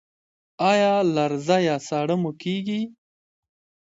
ایا لرزه یا ساړه مو کیږي؟